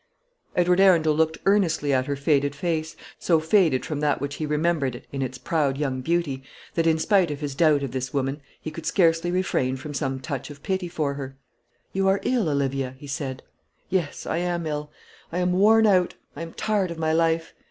Edward Arundel looked earnestly at her faded face, so faded from that which he remembered it in its proud young beauty, that, in spite of his doubt of this woman, he could scarcely refrain from some touch of pity for her. "You are ill, Olivia," he said. "Yes, I am ill; I am worn out; I am tired of my life.